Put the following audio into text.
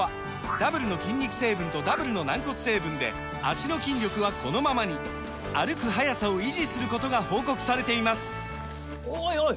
ダブルの筋肉成分とダブルの軟骨成分で脚の筋力はこのままに歩く速さを維持することが報告されていますおいおい！